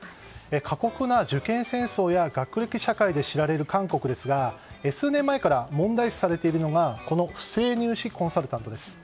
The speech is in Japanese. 過酷な受験戦争や学歴社会で知られる韓国ですが数年前から問題視されているのがこの不正入試コンサルタントです。